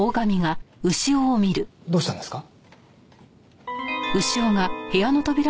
どうしたんですか？